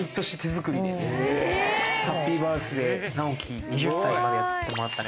ハッピーバースデー七伎２０歳までやってもらってたね。